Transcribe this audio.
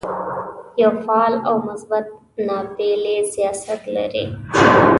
یو فعال او مثبت ناپېیلی سیاست لري.